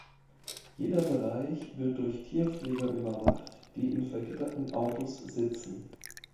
Jeder Bereich wird durch Tierpfleger überwacht, die in vergitterten Autos sitzen.